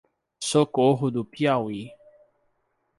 Socorro do Piauí